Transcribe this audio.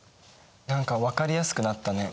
何か分かりやすくなったね。